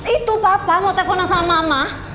itu papa mau telfonan sama mama